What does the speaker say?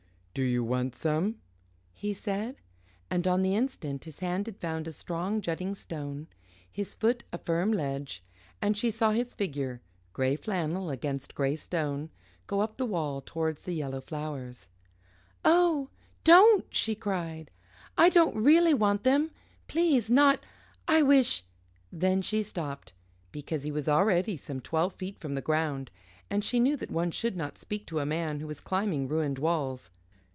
"Do you want some?" he said, and on the instant his hand had found a strong jutting stone, his foot a firm ledge and she saw his figure, grey flannel against grey stone, go up the wall towards the yellow flowers. "Oh, don't!" she cried. "I don't really want them please not I wish " Then she stopped, because he was already some twelve feet from the ground, and she knew that one should not speak to a man who is climbing ruined walls.